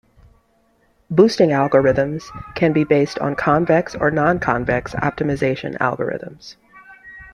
Boosting algorithms can be based on convex or non-convex optimization algorithms.